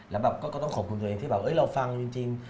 แล้วแบบก็ต้องขอบคุณตัวเองที่แบบเราฟังจริง